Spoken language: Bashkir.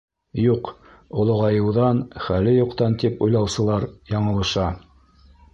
Юҡ, олоғайыуҙан, хәле юҡтан тип уйлаусылар яңылыша.